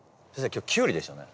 今日キュウリでしたよね？